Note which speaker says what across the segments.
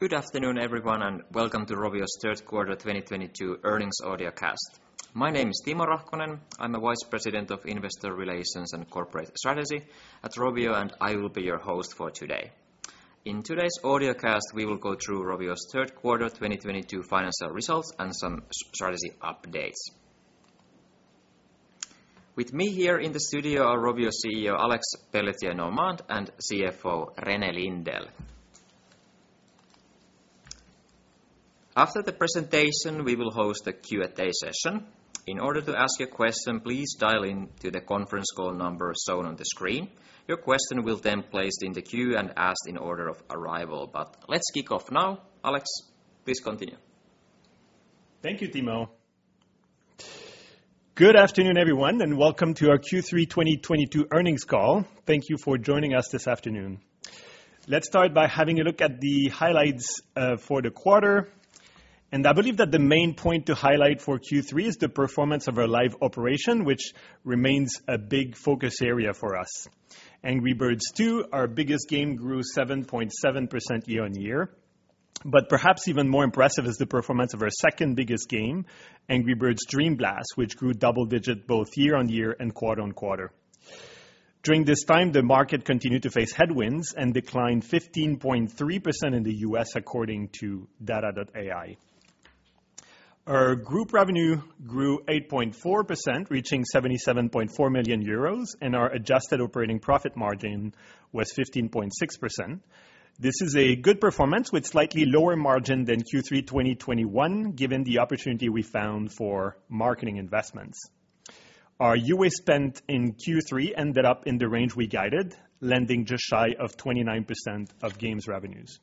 Speaker 1: Good afternoon, everyone, and welcome to Rovio's third quarter 2022 earnings audiocast. My name is Timo Rahkonen. I'm the Vice President of Investor Relations and Corporate Strategy at Rovio, and I will be your host for today. In today's audiocast, we will go through Rovio's third quarter 2022 financial results and some strategy updates. With me here in the studio are Rovio CEO, Alexandre Pelletier-Normand and CFO, René Lindell. After the presentation, we will host a Q&A session. In order to ask a question, please dial in to the conference call number shown on the screen. Your question will then be placed in the queue and asked in order of arrival. Let's kick off now. Alex, please continue.
Speaker 2: Thank you, Timo. Good afternoon, everyone, and welcome to our Q3 2022 earnings call. Thank you for joining us this afternoon. Let's start by having a look at the highlights for the quarter. I believe that the main point to highlight for Q3 is the performance of our live operation, which remains a big focus area for us. Angry Birds 2, our biggest game, grew 7.7% year-on-year, but perhaps even more impressive is the performance of our second biggest game, Angry Birds Dream Blast, which grew double-digit both year-on-year and quarter-on-quarter. During this time, the market continued to face headwinds and declined 15.3% in the U.S. according to data.ai. Our group revenue grew 8.4%, reaching 77.4 million euros, and our adjusted operating profit margin was 15.6%. This is a good performance with slightly lower margin than Q3 2021, given the opportunity we found for marketing investments. Our UA spend in Q3 ended up in the range we guided, landing just shy of 29% of games revenues.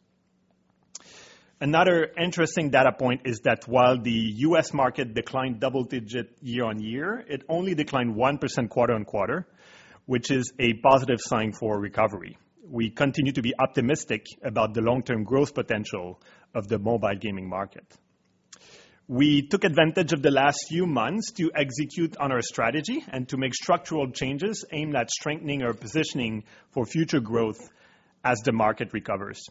Speaker 2: Another interesting data point is that while the U.S. market declined double-digit year-on-year, it only declined 1% quarter-on-quarter, which is a positive sign for recovery. We continue to be optimistic about the long-term growth potential of the mobile gaming market. We took advantage of the last few months to execute on our strategy and to make structural changes aimed at strengthening our positioning for future growth as the market recovers.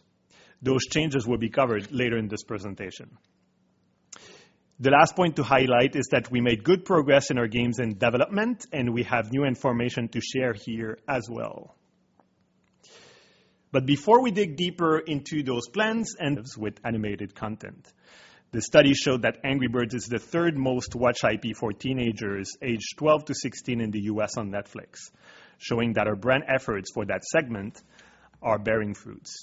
Speaker 2: Those changes will be covered later in this presentation. The last point to highlight is that we made good progress in our games and development, and we have new information to share here as well. Before we dig deeper into those plans and with animated content. The study showed that Angry Birds is the third most watched IP for teenagers aged 12-16 in the U.S. on Netflix, showing that our brand efforts for that segment are bearing fruits.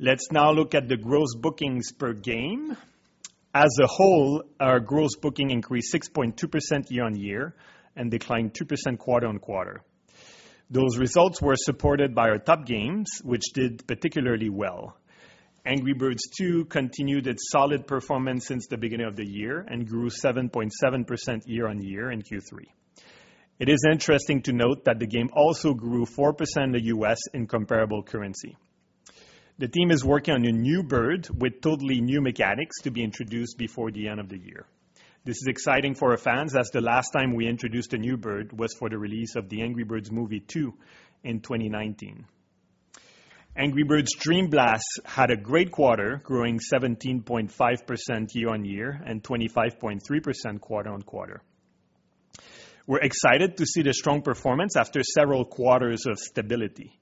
Speaker 2: Let's now look at the gross bookings per game. As a whole, our gross bookings increased 6.2% year-on-year and declined 2% quarter-on-quarter. Those results were supported by our top games, which did particularly well. Angry Birds 2 continued its solid performance since the beginning of the year and grew 7.7% year-on-year in Q3. It is interesting to note that the game also grew 4% in the U.S. in comparable currency. The team is working on a new bird with totally new mechanics to be introduced before the end of the year. This is exciting for our fans as the last time we introduced a new bird was for the release of the Angry Birds Movie 2 in 2019. Angry Birds Dream Blast had a great quarter, growing 17.5% year-over-year and 25.3% quarter-over-quarter. We're excited to see the strong performance after several quarters of stability.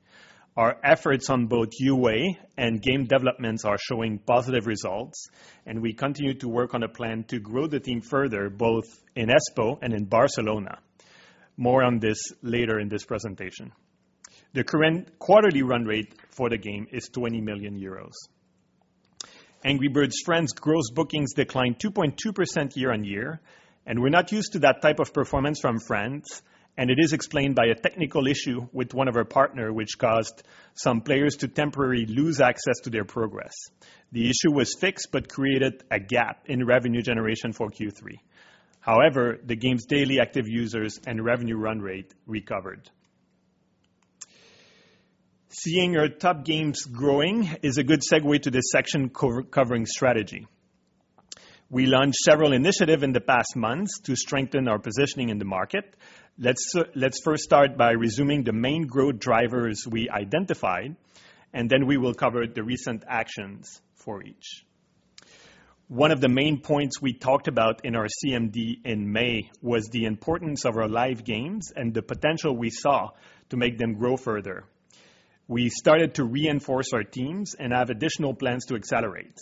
Speaker 2: Our efforts on both UA and game developments are showing positive results, and we continue to work on a plan to grow the team further, both in Espoo and in Barcelona. More on this later in this presentation. The current quarterly run rate for the game is 20 million euros. Angry Birds Friends gross bookings declined 2.2% year-on-year, and we're not used to that type of performance from Friends, and it is explained by a technical issue with one of our partner which caused some players to temporarily lose access to their progress. The issue was fixed but created a gap in revenue generation for Q3. However, the game's daily active users and revenue run rate recovered. Seeing our top games growing is a good segue to this section covering strategy. We launched several initiatives in the past months to strengthen our positioning in the market. Let's first start by resuming the main growth drivers we identified, and then we will cover the recent actions for each. One of the main points we talked about in our CMD in May was the importance of our live games and the potential we saw to make them grow further. We started to reinforce our teams and have additional plans to accelerate.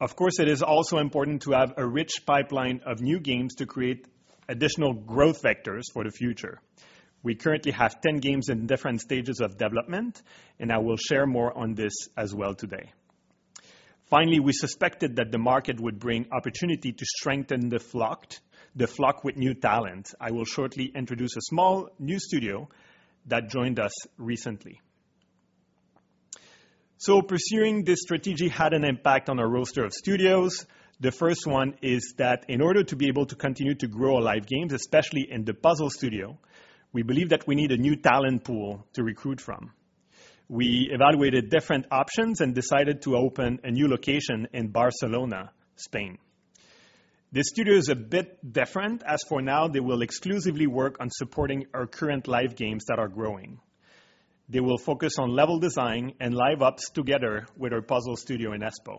Speaker 2: Of course, it is also important to have a rich pipeline of new games to create additional growth vectors for the future. We currently have 10 games in different stages of development, and I will share more on this as well today. Finally, we suspected that the market would bring opportunity to strengthen the flock with new talent. I will shortly introduce a small new studio that joined us recently. Pursuing this strategy had an impact on our roster of studios. The first one is that in order to be able to continue to grow our live games, especially in the puzzle studio, we believe that we need a new talent pool to recruit from. We evaluated different options and decided to open a new location in Barcelona, Spain. This studio is a bit different, as for now, they will exclusively work on supporting our current live games that are growing. They will focus on level design and live ops together with our puzzle studio in Espoo.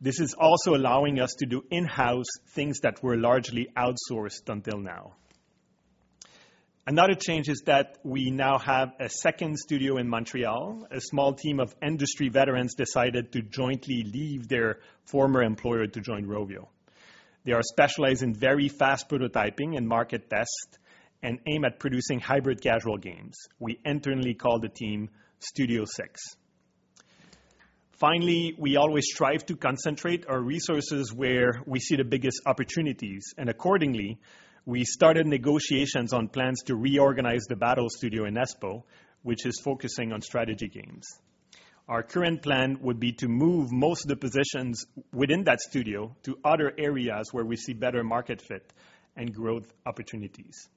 Speaker 2: This is also allowing us to do in-house things that were largely outsourced until now. Another change is that we now have a second studio in Montreal. A small team of industry veterans decided to jointly leave their former employer to join Rovio. They are specialized in very fast prototyping and market test, and aim at producing hybrid casual games. We internally call the team Studio Six. Finally, we always strive to concentrate our resources where we see the biggest opportunities, and accordingly, we started negotiations on plans to reorganize the battle studio in Espoo, which is focusing on strategy games. Our current plan would be to move most of the positions within that studio to other areas where we see better market fit and growth opportunities.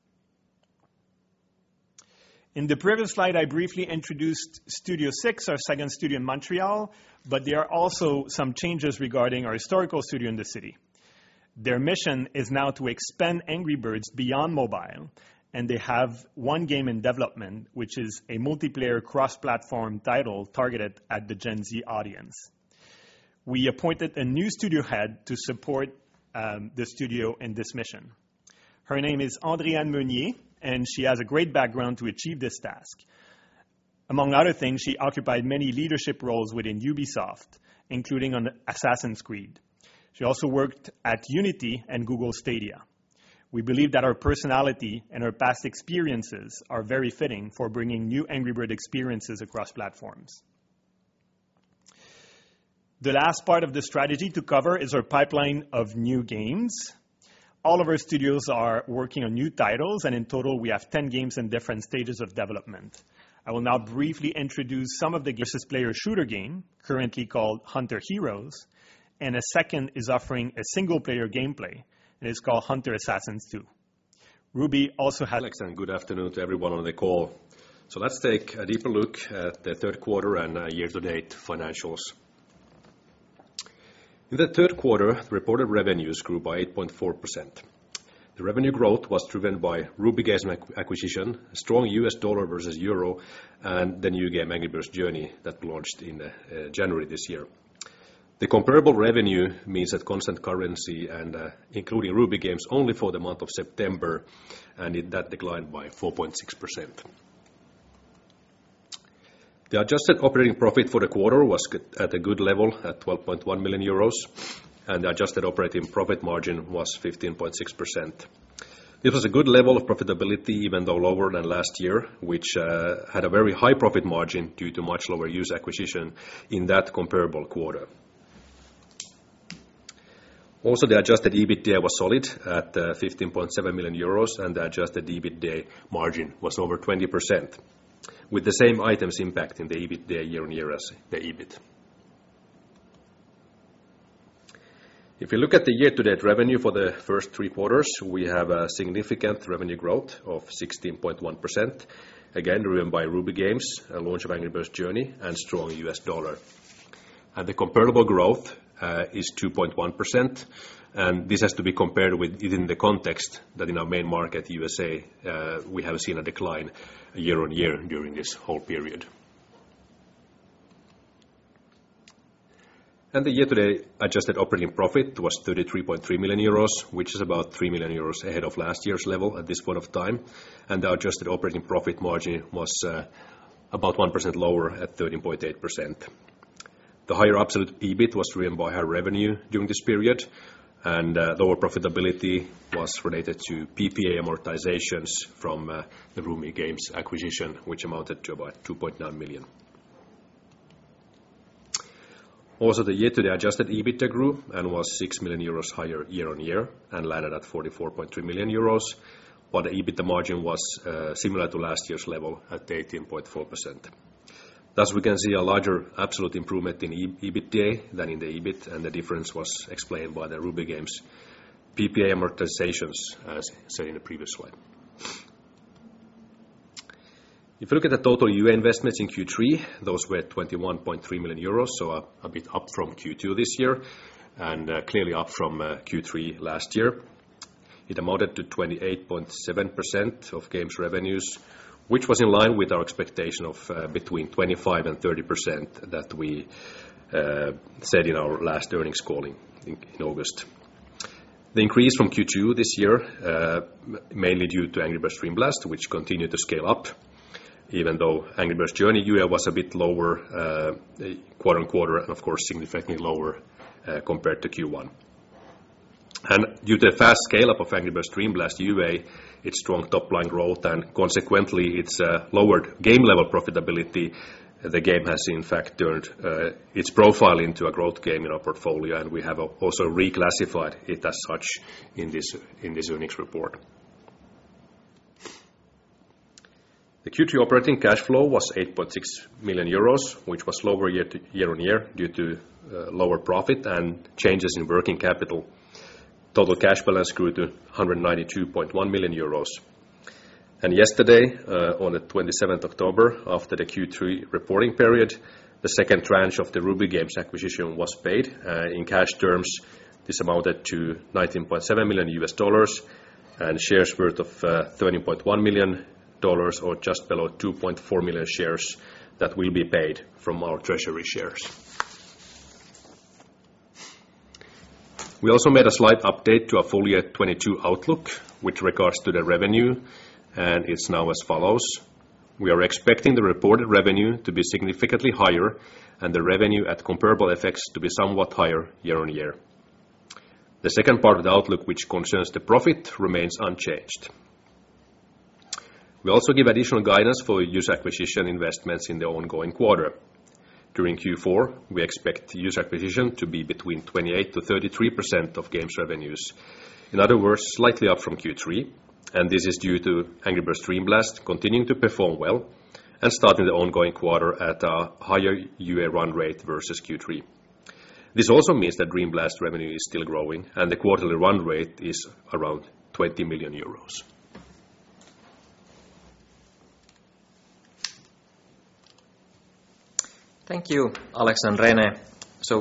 Speaker 2: In the previous slide, I briefly introduced Studio Six, our second studio in Montreal, but there are also some changes regarding our historical studio in the city. Their mission is now to expand Angry Birds beyond mobile, and they have one game in development, which is a multiplayer cross-platform title targeted at the Gen Z audience. We appointed a new studio head to support the studio in this mission. Her name is Andréane Meunier, and she has a great background to achieve this task. Among other things, she occupied many leadership roles within Ubisoft, including on Assassin's Creed. She also worked at Unity and Google Stadia. We believe that her personality and her past experiences are very fitting for bringing new Angry Birds experiences across platforms. The last part of the strategy to cover is our pipeline of new games. All of our studios are working on new titles, and in total, we have 10 games in different stages of development. I will now briefly introduce some of the multiplayer shooter game currently called Hunter Heroes, and a second is offering a single-player gameplay, and it's called Hunter Assassin 2. Ruby also has-
Speaker 3: Alex, good afternoon to everyone on the call. Let's take a deeper look at the third quarter and year-to-date financials. In the third quarter, the reported revenues grew by 8.4%. The revenue growth was driven by Ruby Games acquisition, strong U.S. dollar versus euro, and the new game Angry Birds Journey that launched in January this year. The comparable revenue means that constant currency and including Ruby Games only for the month of September, and that declined by 4.6%. The adjusted operating profit for the quarter was at a good level at 12.1 million euros, and the adjusted operating profit margin was 15.6%. It was a good level of profitability, even though lower than last year, which had a very high profit margin due to much lower user acquisition in that comparable quarter. Also, the Adjusted EBITDA was solid at 15.7 million euros, and the Adjusted EBITDA margin was over 20%, with the same items impacting the EBITDA year-on-year as the EBIT. If you look at the year-to-date revenue for the first three quarters, we have a significant revenue growth of 16.1%, again, driven by Ruby Games, a launch of Angry Birds Journey, and strong U.S. dollar. The comparable growth is 2.1%, and this has to be compared within the context that in our main market, U.S.A., we have seen a decline year-on-year during this whole period. The year-to-date adjusted operating profit was 33.3 million euros, which is about 3 million euros ahead of last year's level at this point of time. Our adjusted operating profit margin was about 1% lower at 13.8%. The higher absolute EBIT was driven by higher revenue during this period, and the lower profitability was related to PPA amortizations from the Ruby Games acquisition, which amounted to about 2.9 million. Also, the year-to-date Adjusted EBITDA grew and was 6 million euros higher year-on-year and landed at 44.3 million euros, but EBITDA margin was similar to last year's level at 18.4%. Thus, we can see a larger absolute improvement in EBITDA than in the EBIT, and the difference was explained by the Ruby Games PPA amortizations, as said in the previous slide. If you look at the total UA investments in Q3, those were 21.3 million euros, so a bit up from Q2 this year and clearly up from Q3 last year. It amounted to 28.7% of games revenues, which was in line with our expectation of between 25% and 30% that we said in our last earnings call in August. The increase from Q2 this year mainly due to Angry Birds Dream Blast, which continued to scale up, even though Angry Birds Journey UA was a bit lower quarter-on-quarter and of course significantly lower compared to Q1. Due to the fast scale up of Angry Birds Dream Blast UA, its strong top-line growth and consequently its lower game level profitability, the game has in fact turned its profile into a growth game in our portfolio, and we have also reclassified it as such in this earnings report. The Q3 operating cash flow was 8.6 million euros, which was lower year-on-year due to lower profit and changes in working capital. Total cash balance grew to 192.1 million euros. Yesterday, on the 27th October, after the Q3 reporting period, the second tranche of the Ruby Games acquisition was paid in cash terms. This amounted to $19.7 million and shares worth of $13.1 million, or just below 2.4 million shares that will be paid from our treasury shares. We also made a slight update to our full year 2022 outlook with regards to the revenue, and it's now as follows. We are expecting the reported revenue to be significantly higher and the revenue at comparable effects to be somewhat higher year-on-year. The second part of the outlook, which concerns the profit, remains unchanged. We also give additional guidance for user acquisition investments in the ongoing quarter. During Q4, we expect user acquisition to be between 28%-33% of games revenues. In other words, slightly up from Q3. This is due to Angry Birds Dream Blast continuing to perform well and starting the ongoing quarter at a higher UA run rate versus Q3. This also means that Dream Blast revenue is still growing and the quarterly run rate is around 20 million euros.
Speaker 1: Thank you, Alex and René.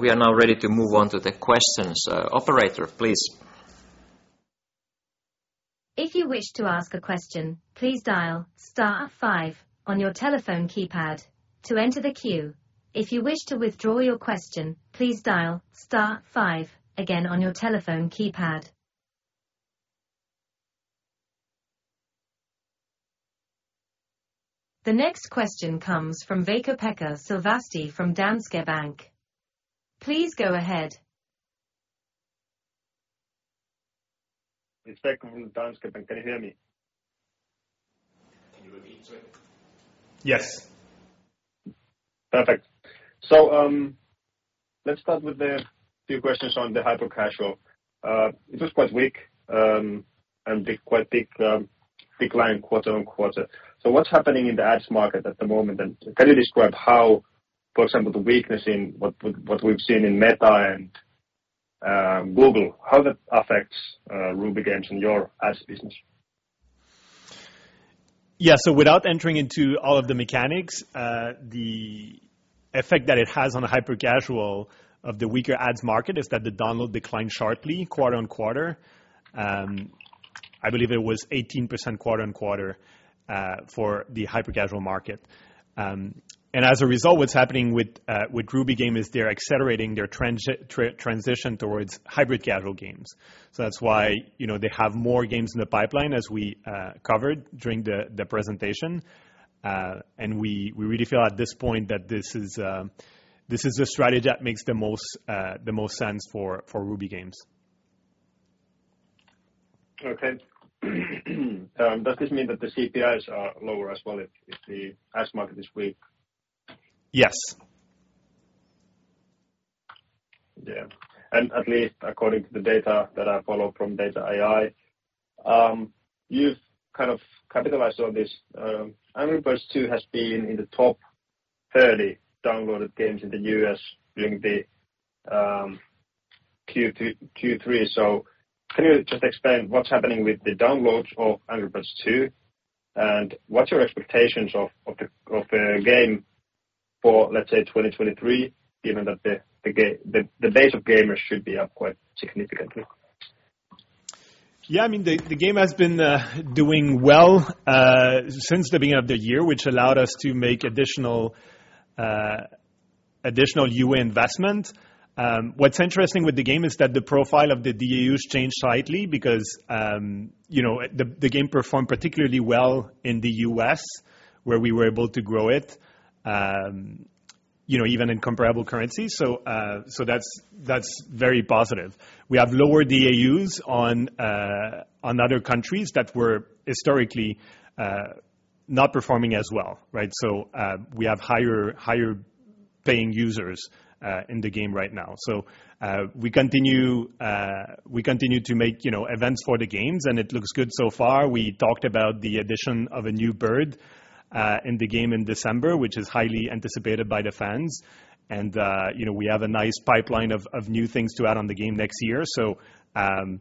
Speaker 1: We are now ready to move on to the questions. Operator, please.
Speaker 4: If you wish to ask a question, please dial star five on your telephone keypad to enter the queue. If you wish to withdraw your question, please dial star five again on your telephone keypad. The next question comes from Veikko-Pekka Silvasti from Danske Bank. Please go ahead.
Speaker 5: It's Veikko from Danske Bank. Can you hear me?
Speaker 1: Can you repeat, sir?
Speaker 2: Yes.
Speaker 5: Perfect. Let's start with a few questions on the hyper-casual. It was quite weak and quite big decline quarter-on-quarter. What's happening in the ads market at the moment? Can you describe how, for example, the weakness in what we've seen in Meta and Google, how that affects Ruby Games and your ads business?
Speaker 2: Yeah. Without entering into all of the mechanics, the effect that it has on the hyper-casual of the weaker ads market is that the downloads declined sharply quarter-on-quarter. I believe it was 18% quarter-on-quarter for the hyper-casual market. As a result, what's happening with Ruby Games is they're accelerating their transition towards hybrid-casual games. That's why, you know, they have more games in the pipeline as we covered during the presentation. We really feel at this point that this is a strategy that makes the most sense for Ruby Games.
Speaker 5: Okay. Does this mean that the CPIs are lower as well if the ads market is weak?
Speaker 2: Yes.
Speaker 5: Yeah. At least according to the data that I follow from data.ai, you've kind of capitalized on this. Angry Birds 2 has been in the top 30 downloaded games in the U.S. during the Q3. Can you just explain what's happening with the downloads of Angry Birds 2, and what's your expectations of the game for, let's say, 2023, given that the base of gamers should be up quite significantly?
Speaker 2: Yeah. I mean, the game has been doing well since the beginning of the year, which allowed us to make additional UA investment. What's interesting with the game is that the profile of the DAUs changed slightly because, you know, the game performed particularly well in the U.S., where we were able to grow it, you know, even in comparable currency. That's very positive. We have lower DAUs on other countries that were historically not performing as well, right? We have higher paying users in the game right now. We continue to make, you know, events for the games, and it looks good so far. We talked about the addition of a new bird in the game in December, which is highly anticipated by the fans. You know, we have a nice pipeline of new things to add on the game next year. You know,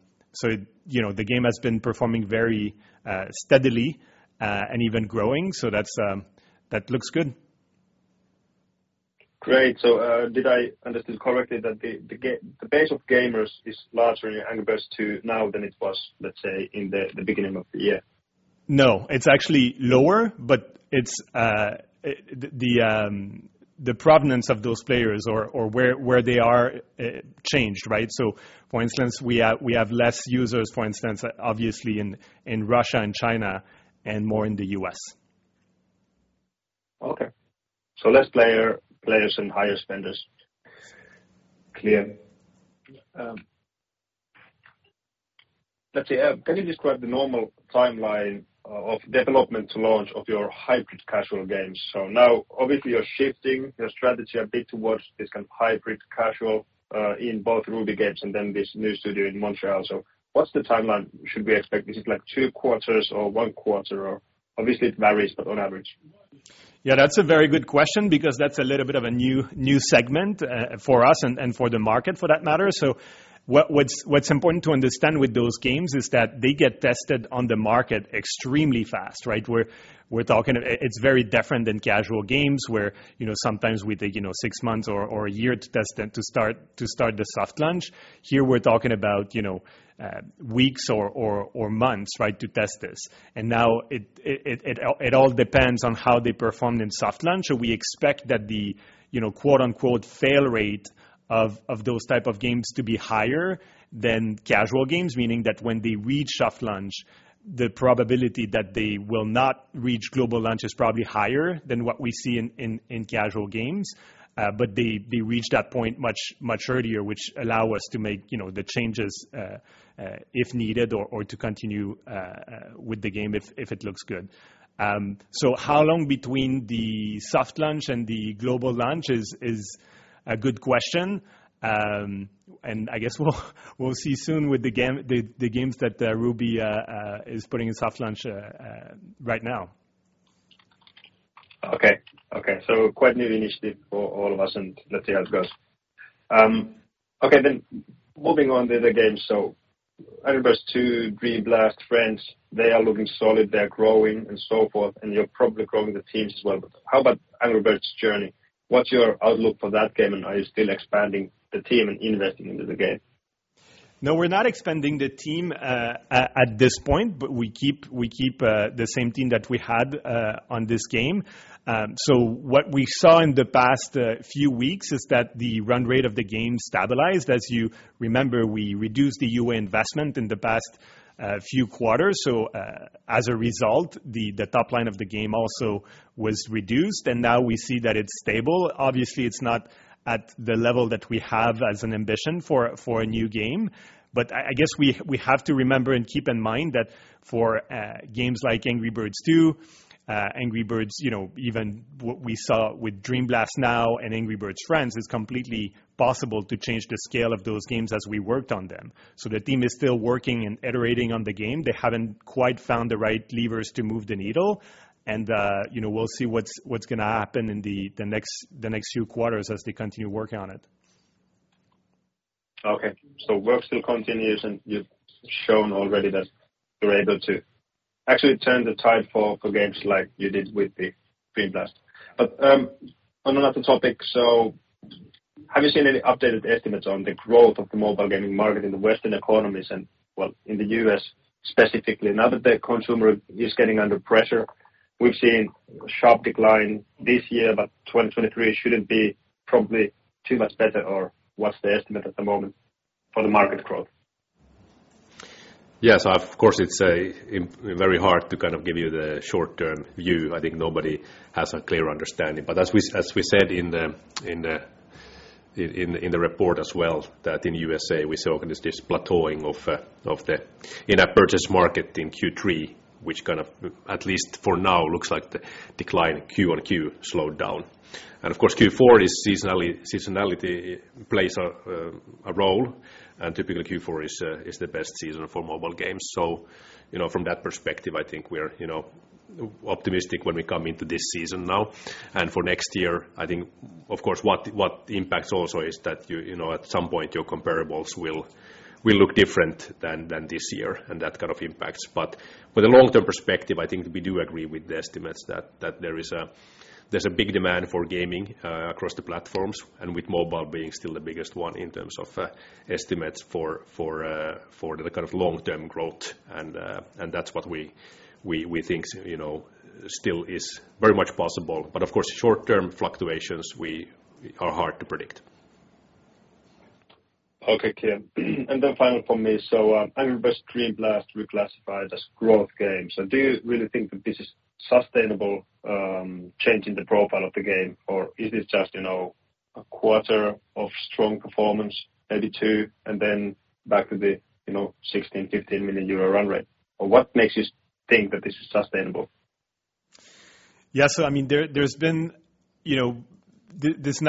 Speaker 2: the game has been performing very steadily and even growing. That looks good.
Speaker 5: Great. Did I understand correctly that the base of gamers is larger in Angry Birds 2 now than it was, let's say, in the beginning of the year?
Speaker 2: No, it's actually lower, but it's the provenance of those players or where they are changed, right? So for instance, we have less users, for instance, obviously in Russia and China and more in the U.S.
Speaker 5: Okay. Less players and higher spenders. Clear. Let's see. Can you describe the normal timeline of development to launch of your hybrid casual games? Now obviously you're shifting your strategy a bit towards this kind of hybrid casual in both Ruby Games and then this new studio in Montreal. What's the timeline? Should we expect this is like two quarters or one quarter or obviously it varies, but on average?
Speaker 2: Yeah, that's a very good question because that's a little bit of a new segment for us and for the market for that matter. What's important to understand with those games is that they get tested on the market extremely fast, right? It's very different than casual games where, you know, sometimes we take, you know, six months or a year to test them to start the soft launch. Here we're talking about, you know, weeks or months, right, to test this. Now it all depends on how they performed in soft launch. We expect that the, you know, quote-unquote, "fail rate" of those type of games to be higher than casual games, meaning that when they reach soft launch, the probability that they will not reach global launch is probably higher than what we see in casual games, but they reach that point much earlier, which allow us to make, you know, the changes, if needed or to continue with the game if it looks good. How long between the soft launch and the global launch is a good question. I guess we'll see soon with the games that Ruby is putting in soft launch right now.
Speaker 5: Okay. Quite new initiative for all of us, and let's see how it goes. Okay. Then, moving on to the other games. Angry Birds 2, Dream Blast, Friends, they are looking solid, they are growing and so forth, and you're probably growing the teams as well. How about Angry Birds Journey? What's your outlook for that game, and are you still expanding the team and investing into the game?
Speaker 2: No, we're not expanding the team at this point, but we keep the same team that we had on this game. What we saw in the past few weeks is that the run rate of the game stabilized. As you remember, we reduced the UA investment in the past few quarters. As a result, the top line of the game also was reduced, and now we see that it's stable. Obviously, it's not at the level that we have as an ambition for a new game. I guess we have to remember and keep in mind that for games like Angry Birds 2, Angry Birds, you know, even what we saw with Dream Blast now and Angry Birds Friends, it's completely possible to change the scale of those games as we worked on them. The team is still working and iterating on the game. They haven't quite found the right levers to move the needle, and you know, we'll see what's gonna happen in the next few quarters as they continue working on it.
Speaker 5: Okay. Work still continues, and you've shown already that you're able to actually turn the tide for games like you did with the Dream Blast. On another topic, have you seen any updated estimates on the growth of the mobile gaming market in the Western economies and, well, in the U.S. specifically? Now that the consumer is getting under pressure, we've seen sharp decline this year, but 2023 shouldn't be probably too much better, or what's the estimate at the moment for the market growth?
Speaker 3: Yes, of course, it's very hard to kind of give you the short-term view. I think nobody has a clear understanding. As we said in the report as well, that in U.S.A., we saw this plateauing of the in-app purchase market in Q3, which kind of, at least for now, looks like the decline Q on Q slowed down. Of course, Q4 is seasonality plays a role, and typically Q4 is the best season for mobile games. You know, from that perspective, I think we're you know, optimistic when we come into this season now. For next year, I think of course what impacts also is that you know, at some point your comparables will look different than this year and that kind of impacts. From a long-term perspective, I think we do agree with the estimates that there is a big demand for gaming across the platforms and with mobile being still the biggest one in terms of estimates for the kind of long-term growth. That's what we think, you know, still is very much possible. Of course, short-term fluctuations are hard to predict.
Speaker 5: Okay. Final from me. Angry Birds Dream Blast reclassified as growth games. Do you really think that this is sustainable change in the profile of the game, or is this just, you know, a quarter of strong performance, maybe two, and then back to the, you know, 16 million, 15 million euro run rate? What makes you think that this is sustainable?
Speaker 2: Yeah, I mean, there's been, you know, this is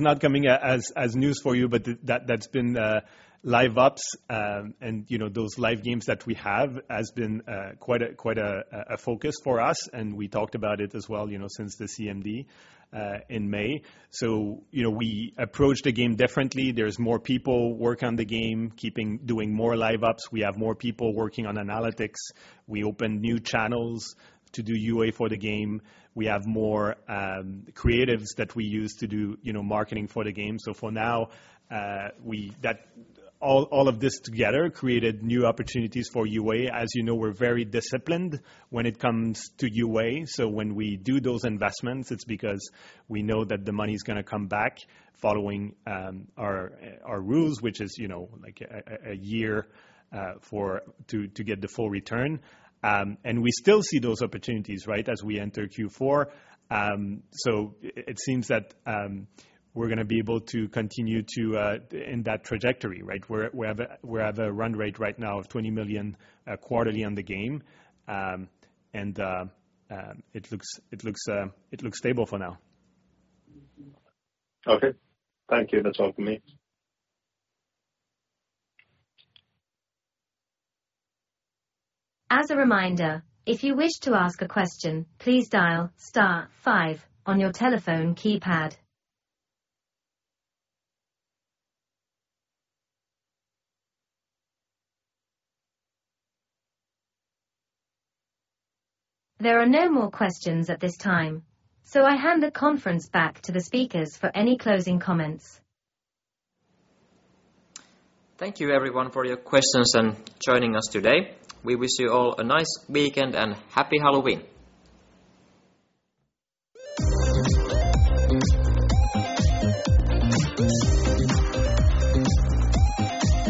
Speaker 2: not coming as news for you, but that's been live ops. You know, those live games that we have has been quite a focus for us, and we talked about it as well, you know, since the CMD in May. You know, we approach the game differently. There's more people work on the game, doing more live ops. We have more people working on analytics. We open new channels to do UA for the game. We have more creatives that we use to do, you know, marketing for the game. For now, all of this together created new opportunities for UA. As you know, we're very disciplined when it comes to UA. When we do those investments, it's because we know that the money's gonna come back following our rules, which is, you know, like a year to get the full return. We still see those opportunities, right, as we enter Q4. It seems that we're gonna be able to continue in that trajectory, right? We have a run rate right now of 20 million quarterly on the game and it looks stable for now.
Speaker 5: Okay. Thank you. That's all for me.
Speaker 4: As a reminder, if you wish to ask a question, please dial star five on your telephone keypad. There are no more questions at this time, so I hand the conference back to the speakers for any closing comments.
Speaker 2: Thank you everyone for your questions and joining us today. We wish you all a nice weekend and Happy Halloween.